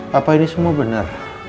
papa ini semua benar